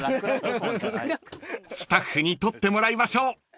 ［スタッフに撮ってもらいましょう］